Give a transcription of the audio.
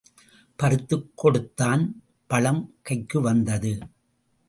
பறித்துக் கொடுத்தான் பழம் கைக்குவந்தது.